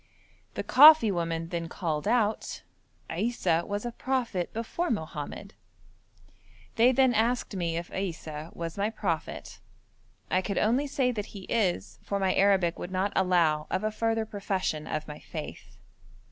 The coffee woman then called out, 'Issa was a prophet before Mohammed.' They then asked me if Issa was my prophet. I could only say that He is, for my Arabic would not allow of a further profession of my faith.